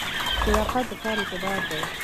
صداقت د کار اعتبار دی